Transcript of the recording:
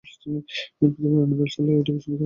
পৃথিবীর বায়ুমণ্ডল ছাড়ালেই এটা বিস্ফোরিত হবে।